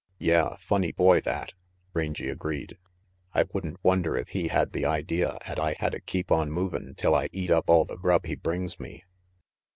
"Yeah, funny boy that," Rangy agreed. "I would'n wonder if he had the idea 'at I hadda keep on movin' till I eat up all the grub he brings me."